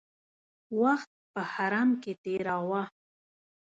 وخت په حرم کې تېراوه.